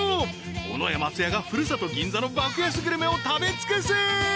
尾上松也が故郷・銀座の爆安グルメを食べつくす！